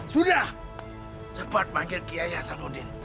sudah cepat panggil kiai hasanuddin